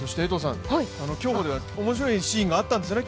競歩では面白いシーンがあったんですよね？